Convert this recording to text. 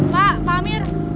pamir tau kan tempat